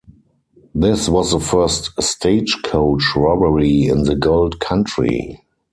This was the first stagecoach robbery in the gold country.